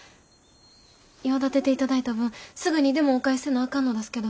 用立てていただいた分すぐにでもお返しせなあかんのだすけど。